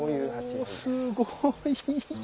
おすごい。